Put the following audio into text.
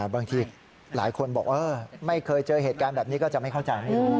บางทีหลายคนบอกไม่เคยเจอเหตุการณ์แบบนี้ก็จะไม่เข้าใจ